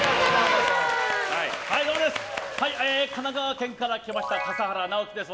神奈川県から来ました笠原直樹です。